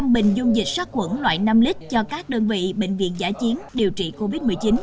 một trăm linh bình dung dịch sát quẩn loại năm lít cho các đơn vị bệnh viện giả chiến điều trị covid một mươi chín